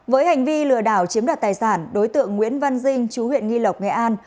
với hành vi lừa đảo chiếm đoạt tài sản đối tượng nguyễn văn dinh chú huyện nghi lộc nghệ an